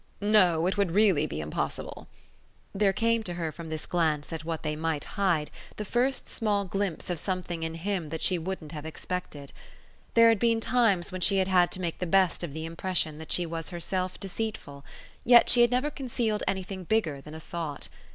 "No; it would really be impossible." There came to her from this glance at what they might hide the first small glimpse of something in him that she wouldn't have expected. There had been times when she had had to make the best of the impression that she was herself deceitful; yet she had never concealed anything bigger than a thought.